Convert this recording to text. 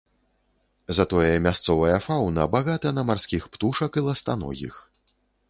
Затое мясцовая фаўна багата на марскіх птушак і ластаногіх.